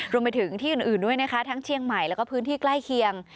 รวมไปถึงที่อื่นด้วยนะคะทั้งเชียงใหม่แล้วก็พื้นที่ใกล้เคียง